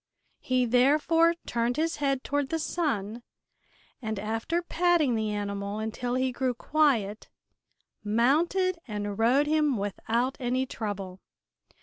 He therefore turned his head toward the sun and after patting the animal until he grew quiet mounted and rode him without any trouble.